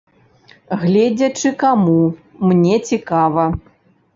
Гледзячы каму, мне цікава.